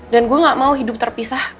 dan gue gak mau hidup terpisah